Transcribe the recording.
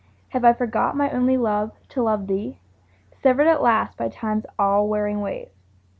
Have I forgot, my only love, to love thee, Severed at last by Time's all wearing wave?